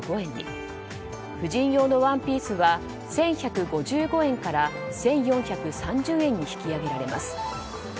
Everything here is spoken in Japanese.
婦人用のワンピースは１１５５円から１４３０円に引き上げられます。